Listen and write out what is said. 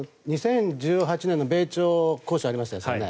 ２０１８年の米朝交渉がありましたよね。